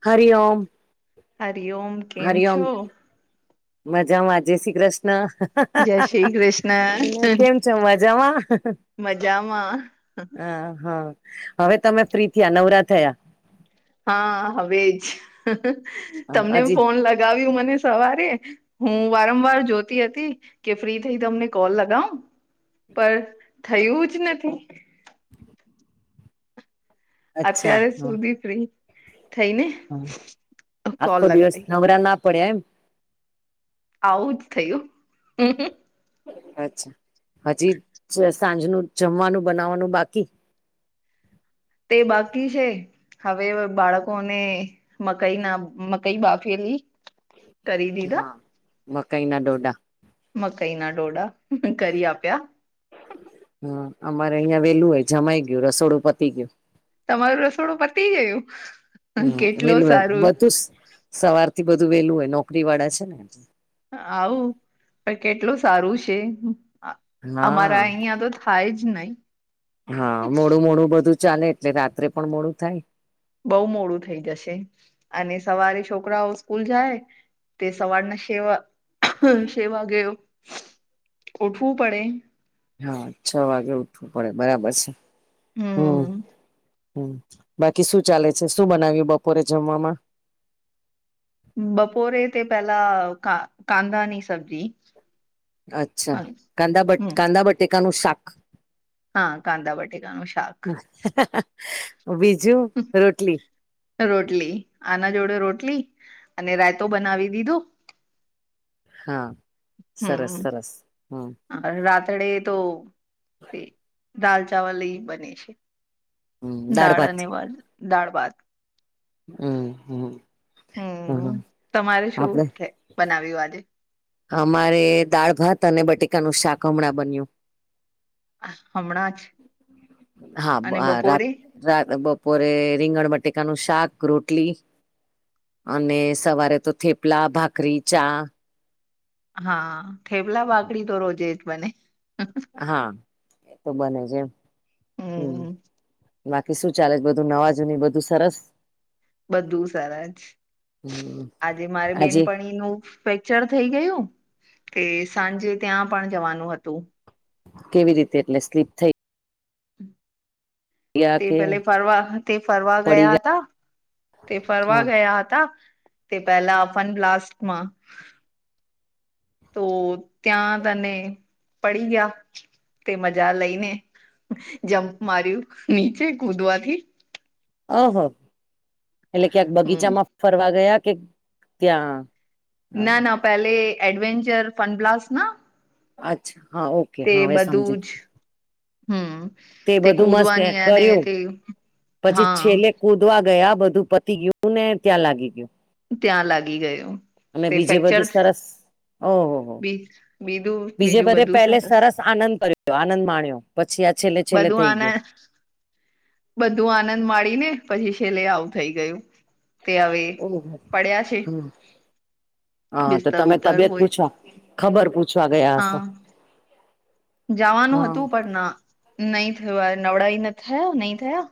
હરી ઓમ. હરી ઓમ હરી ઓમ. મજામાં? જય શ્રી કૃષ્ણ જય શ્રી કૃષ્ણ હા કેમ છો, મજામાં? મજામાં. અ હમ્મ. હવે તમે ફ્રી થ્યા, નવરા થયા. હા, હવે એજ તમને હા હજી ફોન લગાવ્યું મને. સવારે, હું વારંવાર જોતી હતી કે ફ્રી થઈ તમને કોલ લગાઉં. પર થયું જ નથી. અચ્છા અત્યારે હ સુધી ફ્રી થઈ ને. આખો દિવસ નવરા ના પડ્યા. એમ? આવું જ થયું, હમ્મ હમ્મ. અચ્છા. હજી જ સાંજનું જમવાનું બનાવવાનું બાકી? તે બાકી છે. હવે બાળકોને મકઈના મકઈ બાફેલી કરી દીધા હા. મકાઈના ડોડા મકાઈના ડોડા કરી આપ્યા. હમ્મ, અમારે અહિયાં વેલું હોય, જમાઈ ગ્યું રસોડું પતી ગ્યું. તમારું રસોડું પતી ગયું? હમ્મ. કેટલો વેલું હોય. સારું બધુ સવારથી બધું વેલું હોય નોકરીવાળા છે ને. આવું પણ કેટલું સારું છે, અ અમારા હા અહીંયા તો થાય જ નહી. હા, મોડું મોડું બધું ચાલે એટલે રાત્રે પણ મોડું થાય. બઉ મોડું થઈ જશે અને સવારે છોકરાઓ સ્કૂલ જાય. તે સવારના સેવા સે વાગે ઉઠવું પડે. હા છ વાગે ઉઠવું પડે બરાબર છે. હમ્મ હમ્મ બાકી શું ચાલે છે, શું બનાવ્યું બપોરે જમવામાં? બપોરે તે પેલા કા કાંદાની સબ્જી અચ્છા કાંદા બટ હમ કાંદા બટેકાનું શાક હા કાંદા બટેકાનું શાક. બીજું રોટલી. રોટલી, આના જોડે રોટલી અને રાઇતું બનાવી દીધુ. હા સરસ સરસ હમ અને રાતડે તો તે દાલ ચાવલ ને ઇ બને છે. હમ દાળ ભાત અને વાન દાળ ભાત. હમ્મ હમ્મ. હમ્મ તમારે શું આપડે બનાવ્યું આજે? અમારે દાળ ભાત અને બટેકાનું શાક હમણાં બન્યું. હમણાં જ અને હા [unintelligible] રાત બપોરે રાત બપોરે રીંગણ બટેકાનું શાક રોટલી અને સવારે તો થેપલા, ભાખરી, ચા. હા થેપલા ભાખરી તો રોજે જ બને. હા એ તો બને જ એમ. હમ્મ, હમ બાકી શું ચાલે છે બધું નવાજુની બધું સરસ. બધું સારજ, હમ આજે મારે આજે બેનપણીનું ફેક્ચર થઈ ગયું, તે સાંજે ત્યાં પણ જવાનું હતું. કેવી રીતે એટલે સ્લીપ થઈ? ગયા તે કે પેલે ફરવા તે ફરવા પડી ગયા હતા. તે ફરવા ગયા હતા, તે પેલા ફન બ્લાસ્ટમાં તો ત્યાં તને પડી ગયા. તે મજા લઈને જમ્પ માર્યું. નીચે કૂદવાથી ઓહો, એટલે ક્યાંક હમ બગીચામાં ફરવા ગયા કે ત્યાં? હા ના ના પહેલે એડવેન્ચર ફનબ્લાસના અચ્છા હા ઓકે હા હવે સમજી હમ્મ, તે બધું મસ્ત કુદવાની એને કર્યું તે પછી હા છેલ્લે કૂદવા ગયા બધું પતી ગયું ને ત્યાં લાગી ગયું. ત્યાં લાગી ગયુ. અને બીજે બધું સરસ? ઓહો હો, બી બીધું બીજે બીજું બધે બધું પહેલે સરસ આનંદ કર્યો, આનંદ માણ્યો પછી આ છેલ્લે છેલ્લે બધું થઈ ગયું. આનંદ બધું આનંદ માળીને પછી છેલ્લે આવું થઈ ગયું. તે હવે ઓહો, પડ્યા છે હમ્મ, હા, તો બિસ્તર તમે ઉપર તબિયત હોય પૂછો ખબર પુછ હા, જવાનું હતું હા પણના નહી થયો આ, નવળઈને થયા, નઈ થયા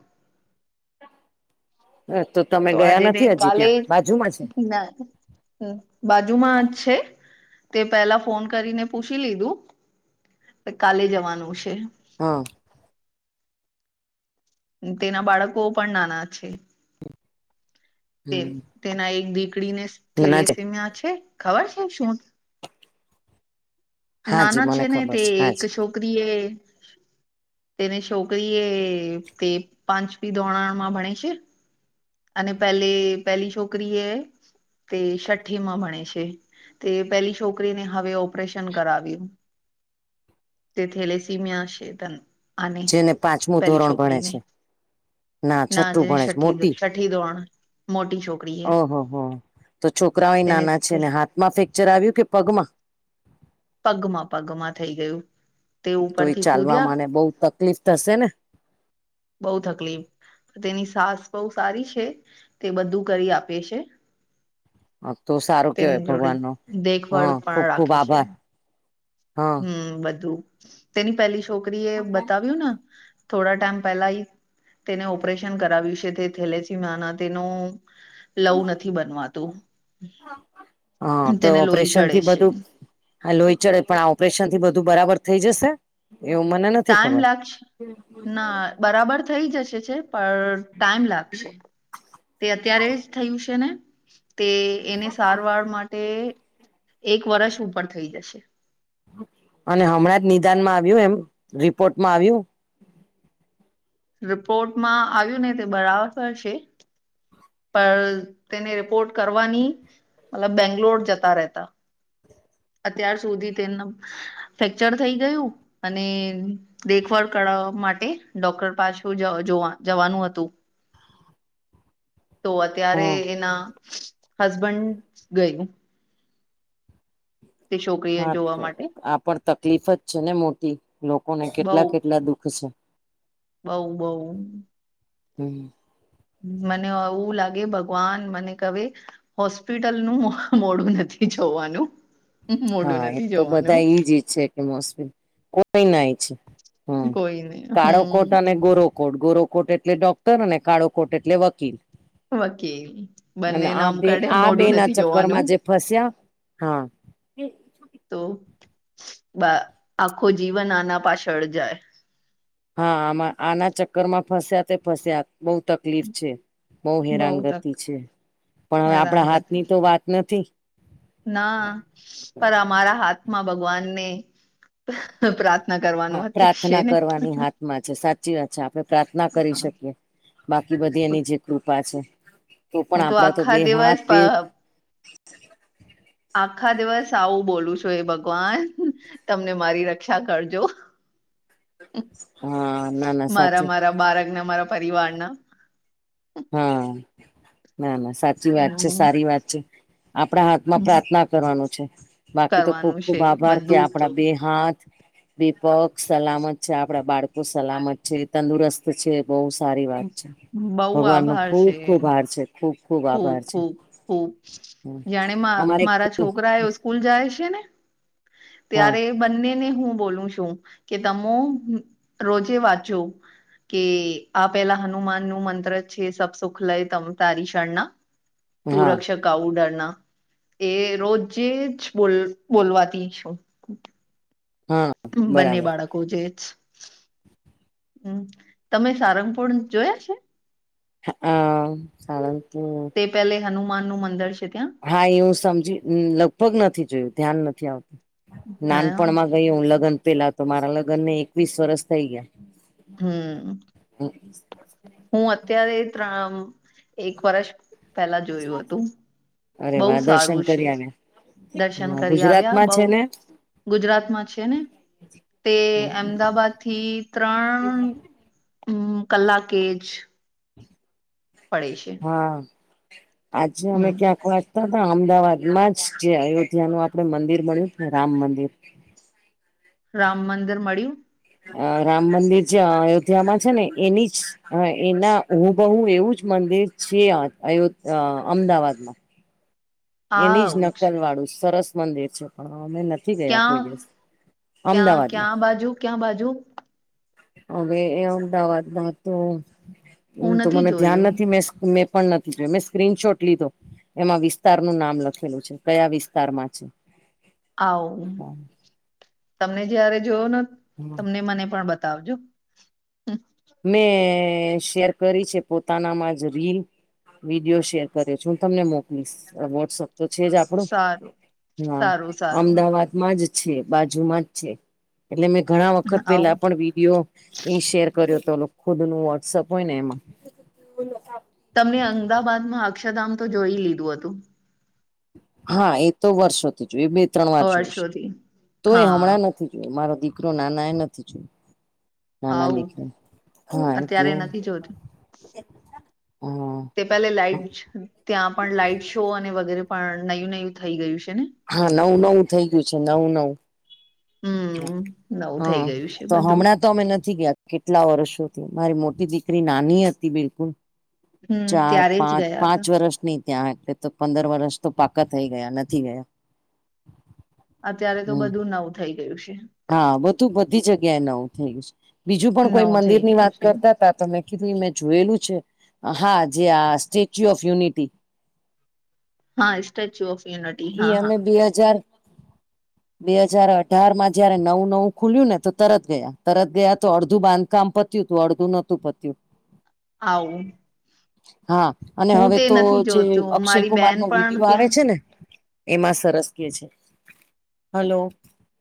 આ તો તમ તો આજે નઇને કાલે ના બાજુમાં જ છે, તે પેલા ફોન કરીને પૂછી લીધું કાલે જવાનું છે. હા. તેના બાળકો પણ નાના છે. [inaudible] [unintelligible] તેના એક દીકરીને ના છે થેલેસીમિયા છે, ખબર છે શું હાજી નાના છે મને ને ખબર તે છે એક હાજી છોકરી એ તેને છોકરી એ તે પાંચપી ધોરણમાં ભણે છે. અને પહેલે પેલી છોકરી એ તે છઠ્ઠીમાં ભણે છે. તે પેલી છોકરીને હવે ઓપરેશન કરાવ્યું. તે થેલેસીમીયા શે તને જેને પાંચમું ધોરણ ભણે છે, ના છઠ્ઠું જે ભણે છે છઠ્ઠી મોટી છઠ્ઠી ધોરણ મોટી છોકરી એ ઓહો હો તો છોકરાઓય તેને નાના છે ને હાથ માંફેક્ ચરઆવ્યું કે પગમાં? પગમાં પગમાં થઈ ગયું. તે તો એ ઉપરથી ચાલવા કૂદ્યા માને બો તકલીફ થશે ને? બો તકલીફ તેની સાસ બઉ સારી છે, તે બધું કરી આપે છે. આતો સારું કેવાય તેની જોડે ભગવાન નો હા, દેખભાળ ખુબ પણ ખુબ આભાર, હા. હમ્મ બધું. તેની પેલી છોકરી એ બતાવ્યું ને થોડા ટાઈમ પેલા ઈ તેને ઓપરેશન કરાવ્યું છે તે થેલેસીમાના તેનું લવું નથી બનવાતું, હા તો તેને લોહી ઓપરેશન ચડે થી છે. બધું હા લોહી ચડે પણ આ ઓપરેશન થી બધું બરાબર થઈ જશે? એવુ મનનું ટાઈમ લાગશે ના બરાબર થઈ જશે છે? પણ ટાઈમ લાગશે, તે અત્યારે જ થયું છે ને તે એને સારવાર માટે એક વર્ષ ઉપર થઈ જશે. અને હમણાં જ નિદાનમાં આવ્યું એમ રિપોર્ટમાં આવ્યું. રિપોર્ટમાં આવ્યું ને તે બરાબરર છે. પણ તેને રિપોર્ટ કરવાની મતલબ બેંગ્લોર જતા રહેતા. અત્યાર સુધી તેનું ફેક્ચર થઈ ગયું, અને દેખભળ કરવા માટે ડોક્ટર પાછ જોવા જવાનું હતું. તો અત્યારે હા એના હસબન્ડ ગયું. તે છોકરીએ હા જોવા તો માટે. આ પણ તકલીફ જ છે ને મોટી લોકોને બઉ કેટલા કેટલા દુખ છે. બઉ બઉ. હમ્મ. મને એવું લાગે ભગવાન મને કહે હોસ્પિટલનું મોડું નથી જોવાનું. મોડું હા એ નથી તો જોવાનું બધા એજ છે કે મોસમી કોઈ ના છે. કોઈ. કાળોકોટ અને ગોરોકોટ ગોરોકોટ એટલે ડોક્ટર અને કાળોકોટ એટલે વકીલ. વકીલ અને બંને આ નામ બે કાઢે આ બે મોઢું ના નથી ચક્કર જોવાનું માં જે ફસ્યા. હા. તો આખો જીવન આના પાછળ જાય. હા આમાં આના ચક્કર માં ફસ્યા તે ફસ્યા બહુ તકલીફ છે. બહ બઉ તક હેરાનગતિ છે, પણ હવે આપણા હાથ હેરાનગતિ ની તો વાત નથી. ના પર અમારા હાથમાં ભગવાનને પ્રાર્થના કરવાનું છે ને. માં છે સાચી વાત છે આપણે પ્રાર્થના કરી હા શકીએ બાકી બધી એની જે કૃપા છે. તો પણ હું આપણા તો આખા બે દિવસ હાથ બે આખા દિવસ આવું બોલું છું એ ભગવાન તમને મારી રક્ષા કરજો. હા ના ના મારા સાચી મારા બાળક ના મારા પરિવાર ના. હા ના ના સાચી વાત છે હમ સારી વાત છે આપણા હાથમાં હમ. પ્રાર્થના કરવાનું છે, બાકી તો ખુબ કરવાનું ખુબ છે આભાર કે બધું જ તો આપડા બે હાથ વિપક સલામત છે આપડા બાળકો સલામત છે, તંદુરસ્ત છે બહુ સારી વાત છે. બઉુ ભગવાન નો આભાર છે. ખુબ ખુબ આભાર છે ખૂબ ખૂબ. બ ખબ ખબ, જાણે અમારે મહરા છોકરા સ્કૂલ જાય છે ને, હા ત્યારે બંનેને હું બોલું છું, કે તમે રોજે વાંચો. કે આ પેલા હનુમાન નું મંત્ર છે સબ સુખ લય તમ તારીશ. હા સુરક્ષક કઉડરના, એ રોજે જ બોલ બોલવાથી છું. હા. બંને બરાબર બાળકો જે જ. હમ્મ, તમે સારંગપુળ જોયા છે? અહા, સારંગપુ તે પહેલે હનુમાન નું મંદર છે ત્યા. હા એ હુ સમજી, લગભગ નથી જોયું, ધ્યાન નથી આવતું, ને નાનપણમાં ગય હું લગ્ન પેલા, તો મારા લગ્ન ને એકવીસ વરસ થઈ ગયા. હમ્મ [inaudible] હું અત્યારે ત્રણ, એક વર્ષ પહેલા જોયું હતું. અરે બહુ વાહ સારું દર્શન છે. કરી દર્શન આવ્યા કરી આવ્યા ગુજરાતમાં બઉ? છે ને ગુજરાતમાં છે ને. તે અમદાવાદ થી ત્રણ, હમ્મ કલાકેજ પડે છે. હા, આનુ અમે હમ ક્યાંક થોડાક તોતો અમદાવાદમાં જ જે અયોધ્યાનુ આપડે મંદિર બણ્યું ને રામ મંદિર રામ મંદિર મળ્યું. અ રામ મંદિર જે અયોધ્યામાં છે, ને એની જ, અ એના હુંબહુ એવુંજ મંદિર છી આ અયો, અ અમદાવાદમાં એની જ નકલ વાળું સરસ મંદિર છે પણ અમે નથ થી ગયા કોઈ ક્યાં દિવસ ક્યાં અમદાવાદમાં ક્યાં બાજુ ક્યાં બાજુ હવે એ અમદાવાદમાં તો એમ હું તો નથી મને ધ્યાન જોયું નથી મેં, મેં પણ નથી જોયો, મેં સ્ક્રીનશોટ લીધો એમાં વિ સ્તાર નું નામ લખેલું છે, કયા વિસ્તારમાં છે. આવો તમને જયારે જોયો ને તમને મને પણ બતાવજો મેં શેર કરી છે, પોતાનામાં જ રીલ વિડીયો શેર કર્યો છે, હું તમને મોકલીશ વોટ્સઅપ તો છે જ આપણું, સારું ના સારું સારું અમદાવાદ મા જ છે, બાજુમાં જ છે, એટલે મેં ઘણા વખત આવું પેલા પણ વિડીયો ઇ શેર કર્યો તો, ઓલું ખુદનુ વોટ્સઅપ હોય ને એમાં. તમને અમદાબાદમાં અક્ષરધામ તો જોઈ લીધું હતું. હા એ તો વર્ષોથી જોયુ, એ બે ત્રણ વાર જોયું છે. વર્ષોથી તો એ હા હમણાં નથી. મારો દીકરો નાના એ નથી જોયુ. નાના આવું દીકરા, હા અત્યારે એટલે નથી જોતું હા તે પેલે લાઈજ ત્યાં પણ લાાઈટ શો અને વગેરે પણ નયું નયું થઈ ગયું છે ને? હા નવું નવું થઈ ગયું છે, નવું નવ હમ નવું થઈ હા, ગયું છે તો બધું હમણાં. તો અમે નથી ગયા, કેટલા વર્ષોથી, મારી મોટી દીકરી નાની હતી બિલકુલ. હમ ચાર, ત્યારે જ પાંચ, ગયા પાંચ હતા વર્ષની ત્યાં એટલે તો પંદર વર્ષ તો પાકા થઈ ગયા નથી ગયા. અત્યારે તો હમ બધું નવું થઈ ગયું છે. હા બધું બધી જગ્યાએ નવું થય ગયું છે, બીજું પણ કોઈ નવું થઈ મંદિર ની ગયું વાત છે કરતા. તા તો મેં કીધું મેં જોયેલું છે, હા જે આ સ્ટેચ્યુ ઓફ યુનિટી હા સ્ટેચ્યુ ઓફ યુનિટી હા એ અમે હા બે હજાર બે હજાર અઢાર માં જયારે નવું નવું ખુલ્યું ને તો તરત ગયા, તરત ગયા તો અડધું બાંધકામ પત્યું હતું, અડધું નોતું પત્યું. આવું હા અને હું હવે તે તો નથી જે જોતું અક્ષય મારી બેન કુમારનો પણ વિડીયો આવે ત્યાં છે ને એમાં સરસ કે છે હલો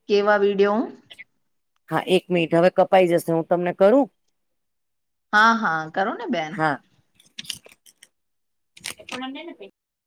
કેવા વિડીયો હા એક મિનિટ હવે કપાઈ જશે હું તમને કરું. હા હા કરો ને બેન હા એટલા નાના નથી ભાઈ,